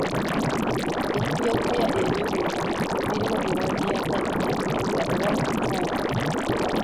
Ggwe ku by'okulya ebyo byonna biruwa byewandyagadde okulya oba okutwalako?